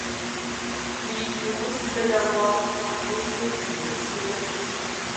Minyu məsə ya wɔ mə səki ntye.